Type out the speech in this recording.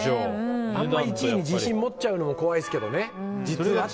あんまり１位に自信を持っちゃうのも怖いですけどね。